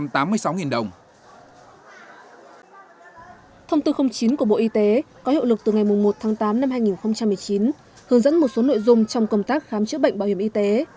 thông tư chín của bộ y tế có hiệu lực từ ngày một tháng tám năm hai nghìn một mươi chín hướng dẫn một số nội dung trong công tác khám chữa bệnh bảo hiểm y tế